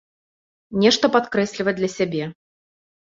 Нешта падкрэсліваць для сябе.